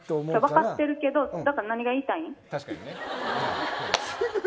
分かっているけど何が言いたいん？